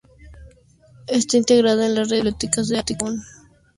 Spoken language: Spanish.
Está integrada en la Red de Bibliotecas de Aragón.